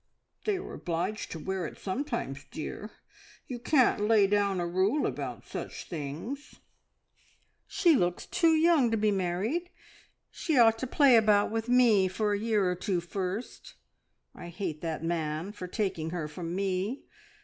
"They are obliged to wear it sometimes, dear. You can't lay down a rule about such things." "She looks too young to be married. She ought to play about with me for a year or two first. I hate that man for taking her from me!